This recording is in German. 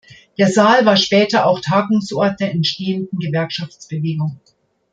Der Saal war später auch Tagungsort der entstehenden Gewerkschaftsbewegung.